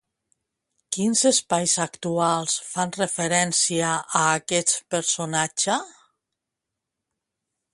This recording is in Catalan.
Quins espais actuals fan referència a aquest personatge?